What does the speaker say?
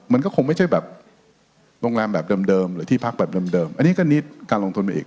มันก็คงไม่ใช่แบบโรงแรมแบบเดิมหรือที่พักแบบเดิมอันนี้ก็นิดการลงทุนไปอีก